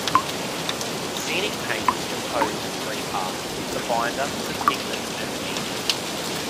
Scenic paint is composed of three parts: the binder, the pigment and the medium.